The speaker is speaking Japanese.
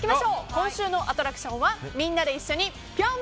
今週のアトラクションはみんな一緒にぴょん！